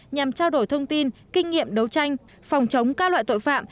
nhằm trao đổi thông tin kinh nghiệm đấu tranh phòng chống các loại tội phạm